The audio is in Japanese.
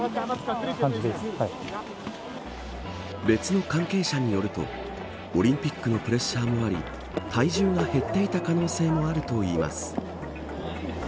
別の関係者によるとオリンピックのプレッシャーもあり体重が減っていた可能性もあるといいます。